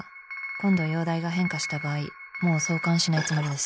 今度容体が変化した場合もう挿管しないつもりです。